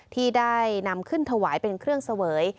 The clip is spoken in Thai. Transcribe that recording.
ที่ได้นำขึ้นถวายเป็นเครื่องเสวย